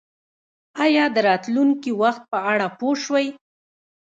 ایا د راتلونکي وخت په اړه پوه شوئ؟